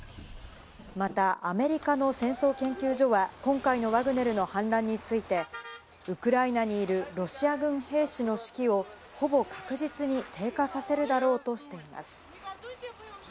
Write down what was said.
またアメリカの戦争研究所は今回のワグネルの反乱について、ウクライナにいるロシア軍兵士の士気をほぼ確実に低下させるだろうとしています。